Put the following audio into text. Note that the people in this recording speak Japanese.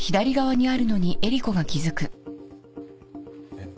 えっ。